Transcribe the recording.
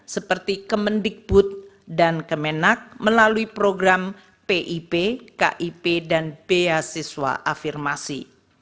seperti kemendikbud dan kemenak melalui program pip kip dan beasiswa afirmasi